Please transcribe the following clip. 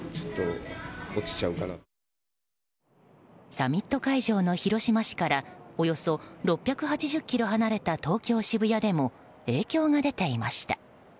サミット会場の広島市からおよそ６８０ｋｍ離れた東京・渋谷でも影響が出ていました。